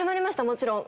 もちろん。